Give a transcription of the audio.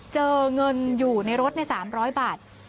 เจอเงินอยู่ในรถใน๓๐๐บาท